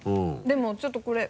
でもちょっとこれ。